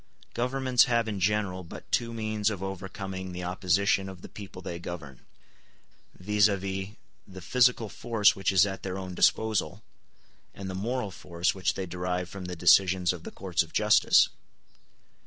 Governments have in general but two means of overcoming the opposition of the people they govern, viz., the physical force which is at their own disposal, and the moral force which they derive from the decisions of the courts of justice.